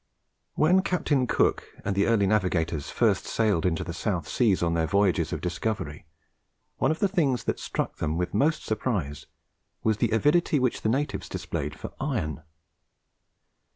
When Captain Cook and the early navigators first sailed into the South Seas on their voyages of discovery, one of the things that struck them with most surprise was the avidity which the natives displayed for iron.